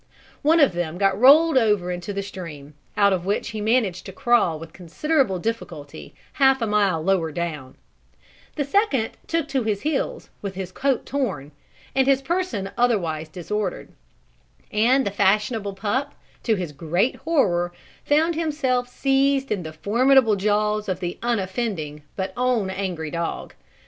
One of them got rolled over into the stream, out of which he managed to crawl with considerable difficulty half a mile lower down; the second took to his heels, with his coat torn, and his person otherwise disordered; and the fashionable Pup, to his great horror, found himself seized in the formidable jaws of the unoffending but own angry dog.